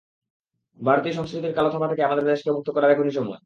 ভারতীয় সংস্কৃতির কালো থাবা থেকে আমাদের দেশকে মুক্ত করার এখনি সময়।